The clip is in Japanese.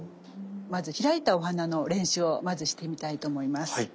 まず開いたお花の練習をしてみたいと思います。